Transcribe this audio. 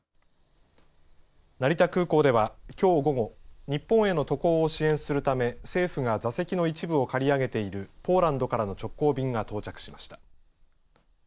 成田空港では、きょう午後、日本への渡航を支援するため、政府が座席の一部を借り上げているポーランドからの直行便が到着しました。